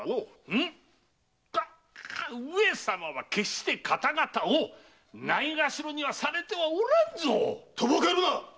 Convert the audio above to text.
上様は決して方々をないがしろにされてはおらんぞ！とぼけるな！